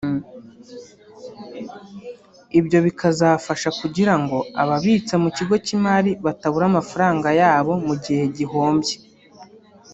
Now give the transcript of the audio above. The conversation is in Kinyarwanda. Ibyo bikazafasha kugira ngo ababitsa mu kigo cy’imari batabura amafaranga yabo mu gihe gihombye